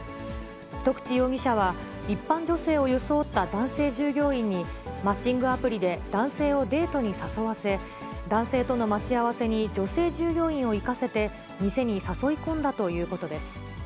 得地容疑者は、一般女性を装った男性従業員に、マッチングアプリで男性をデートに誘わせ、男性との待ち合わせに女性従業員を行かせて、店に誘い込んだということです。